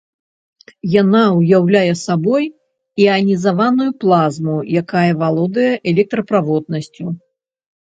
Яна ўяўляе сабой іанізаваную плазму, якая валодае электраправоднасцю.